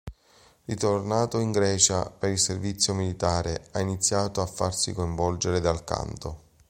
Ritornato in Grecia per il servizio militare ha iniziato farsi coinvolgere dal canto.